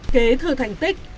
kế thừa thành tích